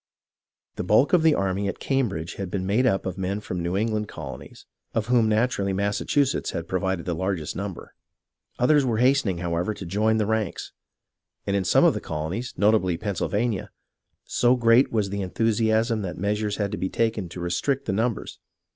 The bulk of the army at Cambridge had been made up of men from the New England colonies, of whom naturally Massachusetts had provided the largest number. Others 72 HISTORY OF THE AMERICAN REVOLUTION were hastening, however, to join the ranks, and in some of the colonies, notably Pennsylvania, so great was the enthu siasm that measures had to be taken to restrict the num bers.